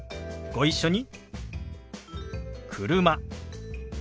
ご一緒に。